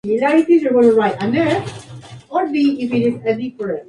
Aunque se considera que el control biológico, de momento, es poco eficaz.